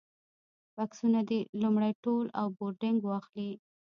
بکسونه دې لومړی تول او بورډنګ واخلي.